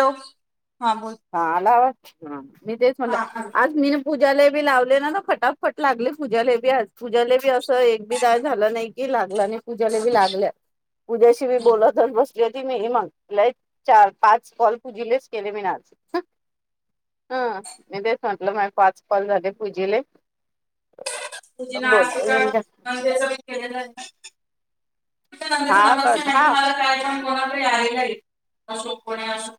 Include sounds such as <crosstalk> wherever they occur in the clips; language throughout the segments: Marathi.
हॅलो, हा बोल. हा आलावा, मी तेच म्हटलं, हा आज मी <unintelligible> पूजाला बी लावले ना ग फटाफट लागले, पूजाला बी, आज पूजाला बी असं एक बी दाळ झालं नाही. लागला आणि पूजाला बी लागल्या, पूज्याशी मी बोलतच बस ज ती मेहमग, चार पाच कॉल पूजीलेच केले मिणं आज. हं.. मी तेच म्हटलं, माझे पाच कॉल झाले पूजीले. तुजी बोल नाटकं. <unintelligible> हा हा कोणाकडे आहे का असो कोणी असो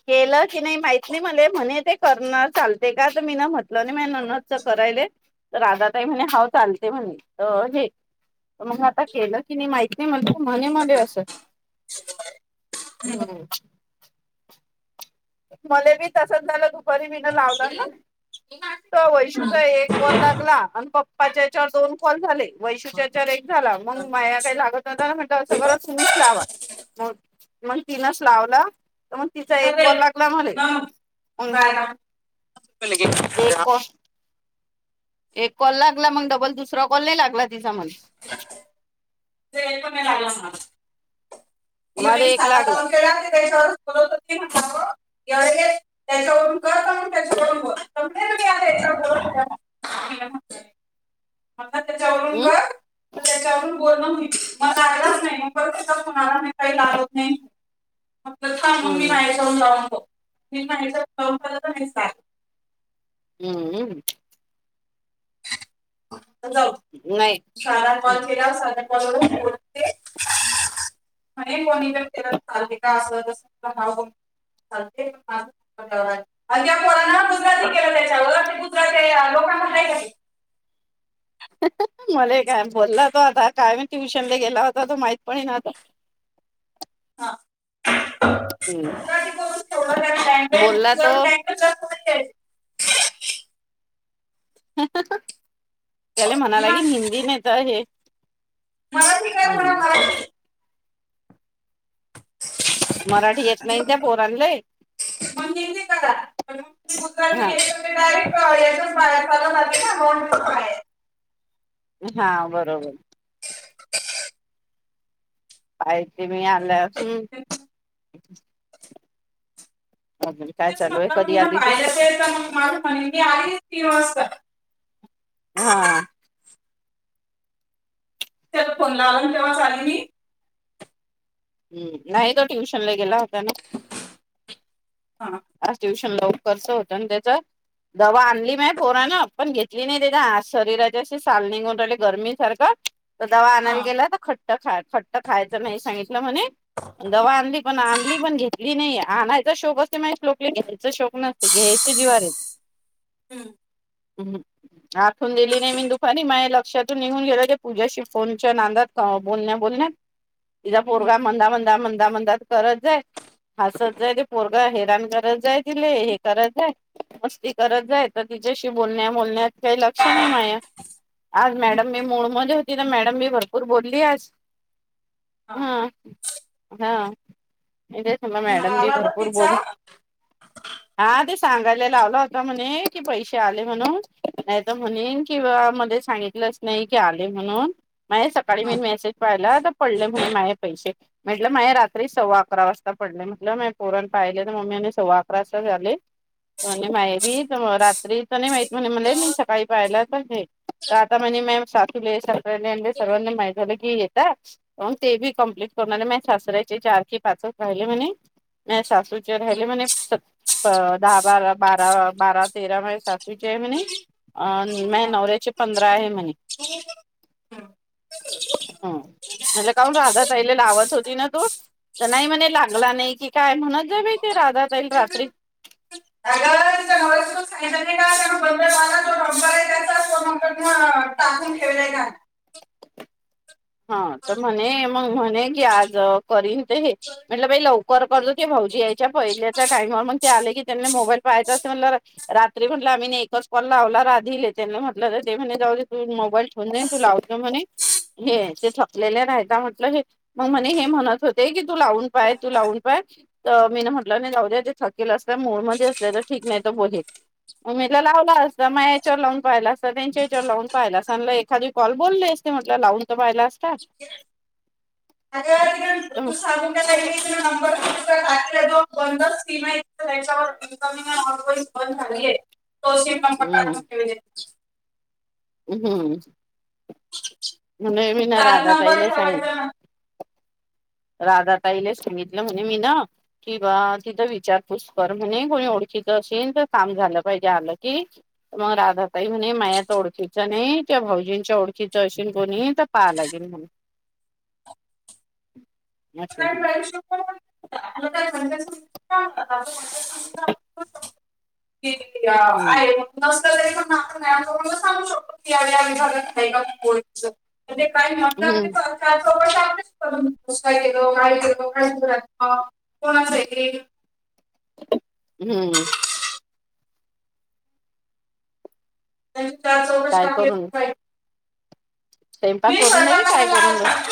केलं की नाय माहित नाय. मले म्हणे ते करणार चालते का? मी न म्ह ल नाय माया नंनदच करायले. राधा ताई म्हणे हाव चालतय म्हणे हो हे मग आता केलं. कि नाय माहित नाय म्हण म्हणे मला अस हम्म. मले बी तसंच झालं तु दुपारी मिन लावला ना, तर वैशूचा एक कॉल लागला. अन् पप्पा पाच्या याच्यावर दोन कॉल झाले. वैशुच्या याच्यावर एक झाला मग माया काय लागत नव्हता ना म्हटल अस करातुम्हीच लावा. बोल मग तिलाच लावला तर मग तिचा एक कॉल लागला मले <unintelligible> दे कॉ एक कॉल लागला मग डबल दुसरा कॉल नाय लागला तिचा म्हणे. ते पण नाय लागला मला मला तीन एक साधा लागला कॉल केला त्याच्यावरच परत त्याच्यावरून करत त्याच्यावरून बोल. <unintelligible> म्हणलं त्याच्यावरून हम्म कर तर त्याच्यावरून बोलण होईती. मला आलाच नाय परत कश्याला म्हणाला नाय ताई लागत नाय. तसा मम्मी हम्म माझ्याजवळून लाव नको <unintelligible> नाय उचलला तर सांग. हम्म हम्म. नाही जाऊदे सादा कॉल केला साधा लावून बोलत होते. म्हणे कोणी तर फिरत चालते का असं तस चालते म्हणलं. अन् त्या पोरान गुजराती केलं त्याच्यावर ती गुजराती हाय लोकांना मला काय बोलला तो आता काय मी ट्युशन ला गेला होता तो माहित पाहिन आता. हा. गुजराती करून ठेवलं त्या हम्म लँग्वेज बोलला तो <unintelligible> त्याले म्हणाय मी लागेल म्हटलं, हिंदी नाय तर हे मराठी काय म्हणा एम्स. मराठी मराठी येत नाय त्या पोरांनलंय. म्हणते <unintelligible> करा हा डायरेक्ट याचाच पाया चालवणार की काय हां बरोबर. <inaudible> पाहितीे मी आलं ती. सगळी काय चा म्हट मी ना फायद्याच येत मग माझं म्हणी मी आलीय तीन वाजता. हा. त्याला फोन लावला अन् तेव्हाच आले मी. हम्म न्हाय ग ट्युशन ला गेला होता ना. हा. आज ट्युशन लवकरच होत न त्याच. दवा आणली माही पोरान पण घेतली नाही त्याच्या शरीराच्या अशी साल निघून राहिले गरमी सारखं तर दवा हा आणायला गेला तर खट्ट खा खट्ट खायचं नाही सांगितलं म्हणे दवा आणली पण आणली पण घेतली नाही आणायचा शोक <unintelligible> घ्यायचा शोक नसते घ्यायचे जीवावर येते हम्म ह आठवण दिली नाही मी दुपारी माझ लक्षातून निघून गेल पूजाशी फोनच्या नादात हा बोलण्या बोलण्यात तिचा हम्म, पोरगा म्हणंदा म्हंदा म्हणंदा म्हण करत जाय हसत जाय ते पोर हैरान करत जाय हे करायत जाय मस्ती करत जाय तर तिच्याशी बोलण्या बोलण्यात काही लक्ष नाही माय आज हम्म, मॅडम मी मूडमध्ये होती तर मॅडम बी भरपूर बोलली आज हा हा म्हणजे चला मला मॅडम बी आला तर भरपूर तिचा बोल हा, <inaudible> हा ते सांगायला लावला होता म्हणे कि पैसे आले म्हणून नाही तर म्हणेन किंवा मध्येच सांगितलंच नाही की आले म्हणून माय सकाळी मी मेसेज पाहिला तर पडले म्हणे माये पैसे म्हटलं माये रात्री सव्वा अकरा वाजता पडले म्हटलं मॅडम पोरानं पाहिले तर मम्मी म्हणे सव्वा अकरा वाजता झाले माय भी तर रात्री च नाही माहित म्हणे म्हणे मी सकाळी पाहायला पण तर आता म्हणे माय सासू सासर्याने सर्वांनी माहिती झालं की येतय मग ते बी कमप्लीट करू लागले म सासऱ्याचे चार की पाचच राहिले म्हणे माये सासूचे राहिले म्हणे <unintelligible> अ दहा बारा बारा बारा तेरा मध्ये सासूची आहे मणे अन माया हा, नवऱ्याचे पंधरा आहे म्हणे <inaudible> ह म्हणलं काऊन राधा ताईला लावत होती ना तु तर नाही म्हणे लागला नाही कि काय म्हणत जाय बाई ते राधाताईला रात्री आगं <unintelligible> सांगीतल नाय <unintelligible> <unintelligible> टाकून ठेवलाय काय? हा तर म्हणे मग म्हणे की आज करीन ते हे म्हटलं बाई लवकर करजो ते भाऊजी यायच्या पहिल्याच्या टाइमवर मग ते आले की त्यांना मोबाईल पाहायचां असते रात्री रात्री म्हटलं आम्ही न एकच कॉल लावला राधीले त्यांनी म्हटलं तर ते म्हणे जाऊ तूच मोबाईल ठेव होऊन जाईल तू लावत जा म्हणे हे ते थकलेले राहायता म्हटलं हे मग म्हणे हे म्हणत होते की तू लावून पाय तू लावून पाहाय तर मी ना म्हटलं नाही जाऊ द्या ते थकेल असल्या मूडमध्ये असल्या तर ठीक नाही तर बोलेल मग म्हणे लावला असता माया याच्यावर लावून पाहायला असता त्यांच्या याच्यावर लावून पाहायला अस एखादी कॉल बोलले असते म्हटलं लावून तर पाहायला असता. <unintelligible> <unintelligible> च्यावर इनकमिंग आणि आऊटगोईंग बंद झाली तो हम्म <unintelligible> <unintelligible> हम्म <unintelligible> चालू राधा नंबर तईला सांग ठेवायचा ना राधा ताईले सांगितलं म्हणे मी ना किं बा तिथं विचारपूस कर म्हणे कोणी ओळखीच असेल तर काम झालं पाहिजे आलं कि. मग राधा ताई म्हणे मायात ओळखीचा नाही ते भाऊजींच्या ओळखीच अशेन कोणी तर पाहा लागेल म्हणे अच्छा तुला काय महनयासु हा ते गील्या हम्म आहे मग नसत तेण नाही सांगू शकतो कीग आहे का कोच मध्ये काही म्हणणार हम्म तच कोणासाठी हम्म त्याचा सो काय करू मी स्वयंपाक मी करून आली स्वयंपाकाला काय करून लाग-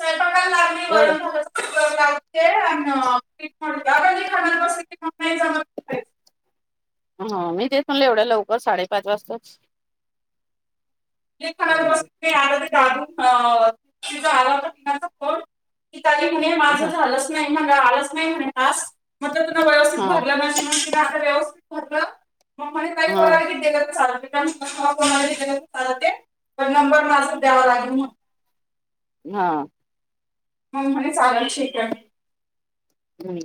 स्वयंपाकाला लागली एवढ लाते आणित खाण्या कस किण नाहील ऐस हा मी तेथून एवढ्या लवकर साडेपाच वाजताच हम्म ते याला ते गाधून अ ति जो आला होता तिनाचा फोन की काही म्ह माझ हा झालंच नाही आलच नाही म्हणे डासक मग त्या तु व्यवस्थित हा भरल म्हे म्हण आता व्यवस्थित भरल मग महने हा विद्या चालण कोणा विद्या चालते पण नंबर मला द्यावा लागेल हा मग म्हणे चालेलाय शेकया हम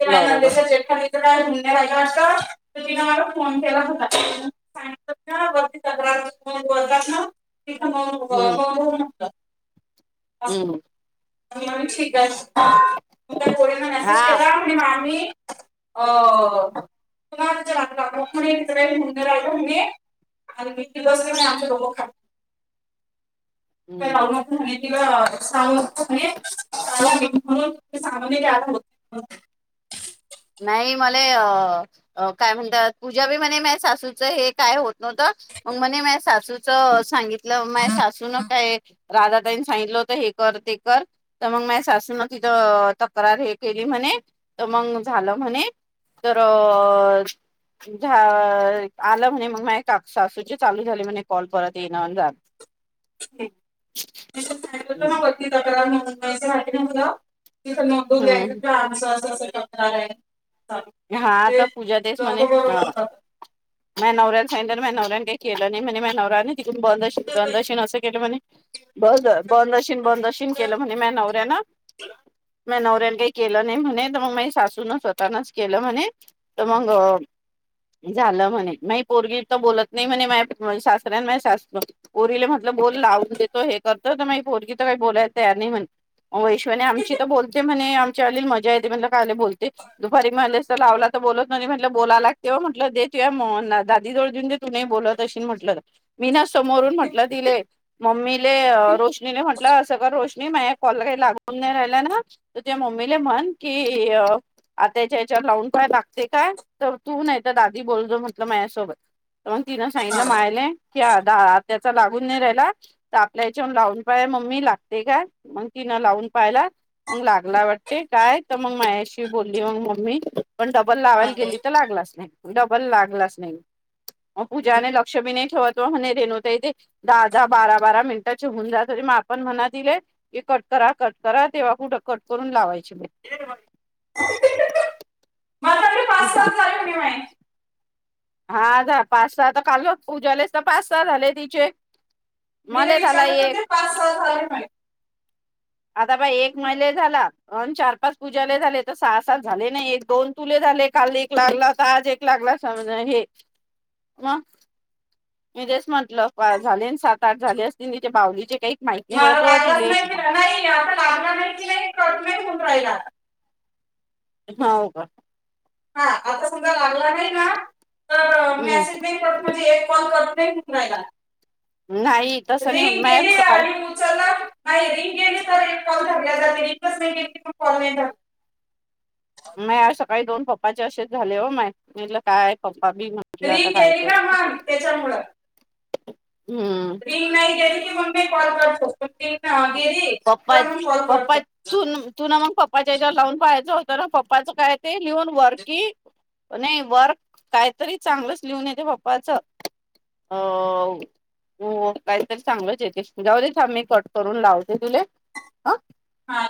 ते काय बरोबर नंदेश चेठाेत काय घुण्यालाय असं तर तिने मला फोन केला होता सांगितलं ना बोलत नवता हम मग ठीक त्या कोमल ला हा मेसेज केला आणि मामी अ तुम्हा इ म्ह रालो मी आरधा किलोच आमचे दोघ खात हम्म किला महने सांग म्हणून सामाने हो नाही मला अ अ काय म्हणतात पूजा बी म्हणे माय सासूच हे काय होत नव्हत मग मणे माझ सासूच सांगितल माझ सासू न काय राधा ताईनी सांगितल होत हे कर ते कर तर मग मा सासू न तिथं तक्रार हे केली म्हणे तर मग झाल म्हणे तर अ झाल आल म्हणे मग मा का सासूची चालू झाली म्हणे कॉल परत येना जान तीथ सागितल हम्म होत वरती तक्रार दाखल करण्यात तीत हम्म नेमक असं अस तक्रार आहे हा ते आता पूजा तेच लोक म्हणे बरोबर हा. करतात. माझ्या नवऱ्याला सांगितल माझ्या नवऱ्याने काय केले नाही म्हणे माझ्या नवऱ्याने <unintelligible> असं केलं म्हणे. बद बंदशीन बंदशीन केलं म्हणे मा नवऱ्यान. माया नवऱ्यानं काही केलं नाही म्हणे तर मग माझ्या सासूनं स्वतःनच केलं म्हणे त मंग झालं म्हणे नाही पोरगी इथं बोलत नाही म्हणे माया सासऱ्या माझ्या सासु पोरीले म्हण म बोल लावून देतो हे करतो तर मायी पोरगी तर काही बोलाय तयार नाही म्हणे. वैश्वनी आमची तर बोलते म्हणे आमच्या अली मजा येते म्हणे कायले बोलते. री म्हणलेस लावला तर बोलत नाही म्हटलं बोला लागते ओ म्हटलं देत म दादी जवळ देऊन देत तु नाही बोलत असशील म्हटलं मी ना समोरून म्हटलं तिले. मम्मीले रोशनीने म्हटलं असं का रोशनी माझ्या कॉल काही लागून नाही राहिला ना. तर त्या मम्मीले म्हन की अ आताच्या याच्यावर लावून पाहा लागते काय तर तू नाही तर दादी बोलतो म्हटलं माझ्यासोबत. म तिनं सांगितलं हा, मायले की दा आत्याचा लागून नाही राहिला तर आपल्या हेच्यावरनं लावून पाहे मम्मी लागते काय? मग तिने लावून पायला. मग लागला वाटते काय तर मग मायाशी बोलली मंग मम्मी, पण डबल लावायला हा. गेली तर लागलाच नाही डबल लागलाच नाही. म पूजाने लक्ष बी नाही ठेवतो आणि रेनु ताई ते दहा दहा बारा बारा मिनिटाची होऊन जात तरी आपण म्हणा तीले की कट करा कट करा तेव्हा कुठं कट करून लावायची ते. <unintelligible> माझ्याकडे पाच सात <unintelligible> झाले म्हणे माई हा पाच सहा तर काल पूज्यालाच तर पाच सहा झाले तिचे. मी जर मले झाला विचारलं तर एक ते पाच सहा झाले म्हणे. आता बाय एक मईले झाला अन् चार पाच पूजाले झाले तर सहा सात झाले ना एक दोन. तुले झाले काल एक लागला तर आज एक लागला समज हे मग. मी तेच म्हंटलं पा झाले सात आठ झाले असतील तिच्या बावलीचे काही माहिती नाही मला पत व लागलाच तिले नाही की नाही. <unintelligible> नाही होऊन राहिला. हाव का? हा आता समजा लागला नाही ना तर हम्म मेसेज नाही करत म्हणजे एक कॉल कर ते कुठे राहिला. नाही तसं नाही होऊन मायात सकाळी चला नाही रिंग गेली कॉल धरल्या जाते रिंगच नाही गेली कॉल नाही धरत. माय आज सकाळी दोन पप्पाचे असेच झाले ओ माय मी म्हणलं काय पप्पा बी म्हटलं आता रिंग काय गेली करू ना मग त्याच्यामुळं. हम्म. रिंग नाही गेली की मग मी कॉल केरतो रिंग गेली. तर पप्पाच मग कॉल करतो पप्पाच तु तु ना मग पप्पाच्या हेच्यावर लावून पाहायचं होतं ना पप्पाचं काय ते लिहून वरकि नाही वर्क कायतरी चांगलंच लिहून येते पप्पाच. अ हो काहीतरी चांगलंच येते जाऊ दे थांब मी कट करून लाव ते तुले. हा.